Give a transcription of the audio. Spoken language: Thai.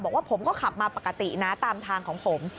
บอกว่าผมก็ขับมาปกตินะตามทางของผม